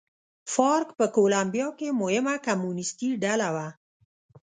فارک په کولمبیا کې مهمه کمونېستي ډله وه.